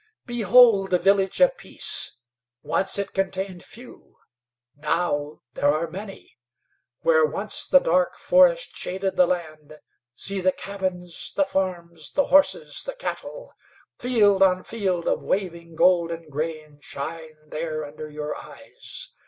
"Behold the Village of Peace! Once it contained few; now there are many. Where once the dark forest shaded the land, see the cabins, the farms, the horses, the cattle! Field on field of waving, golden grain shine there under your eyes.